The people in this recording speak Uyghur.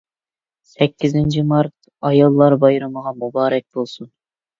«سەككىزىنچى مارت» ئاياللار بايرىمىغا مۇبارەك بولسۇن.